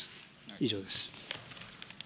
以上です。